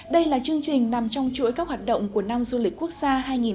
đây là chương trình nằm trong chuỗi các hoạt động của năm du lịch quốc gia hai nghìn hai mươi bốn